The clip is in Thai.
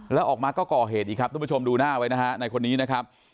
แล้วออกมาก็ก่อเหตุอีกครับทุกผู้ชมดูหน้าไว้นะฮะในคนนี้นะครับ